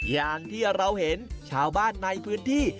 อย่างที่เราเห็นชาวบ้านในพื้นที่